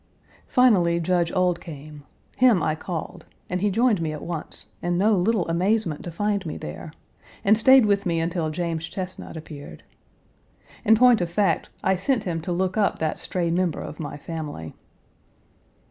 Finally Judge Ould came; him I called, and he joined me at once, in no little amazement to find me there, and stayed with me until James Chesnut appeared. In point of fact, I sent him to look up that stray member of my family.